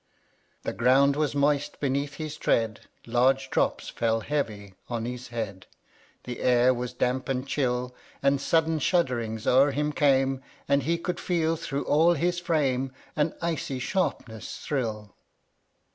10. The ground was moist beneath his tread ; Large drops fell heavy on his head ; The air was damp and chill ; And sudden shudderings o'er him came, And he could feel through all his frame An icy sharpness thrill.